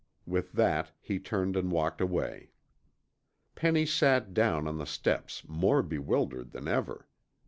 With that he turned and walked away. Penny sat down on the steps more bewildered than ever.